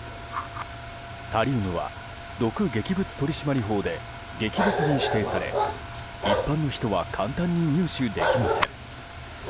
タリウムは毒劇物取締法で劇物に指定され一般の人は簡単に入手できません。